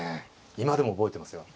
今でも覚えてますよ。